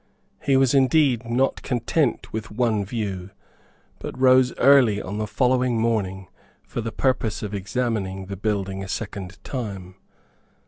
He was indeed not content with one view, but rose early on the following morning for the purpose of examining the building a second time.